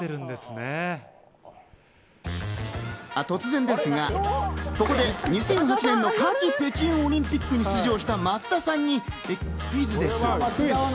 突然ですが、ここで２００８年の夏季北京オリンピックに出場した松田さんにクイズです。